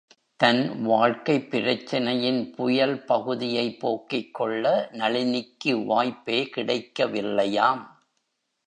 தன் வாழ்க்கைப் பிரச்சினையின் புயல் பகுதியைப் போக்கிக்கொள்ள நளினிக்கு வாய்ப்பே கிடைக்கவில்லையாம்!